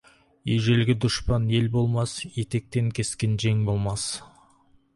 Ежелгі дұшпан ел болмас, етектен кескен жең болмас.